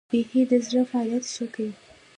بیهي د زړه فعالیت ښه کوي.